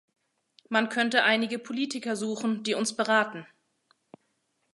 Man könnte einige Politiker suchen, die uns beraten.